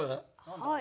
はい。